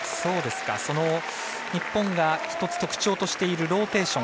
その日本が１つ特徴としているローテーション。